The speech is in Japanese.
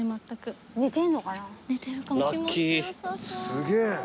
すげえ。